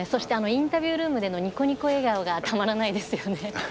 インタビュールームでのにこにこ笑顔がたまらないですね。